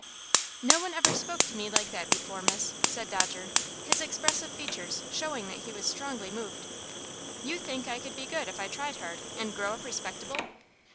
"No one ever spoke to me like that before, miss," said Dodger, his expressive features showing that he was strongly moved. "You think I could be good if I tried hard, and grow up respectable?"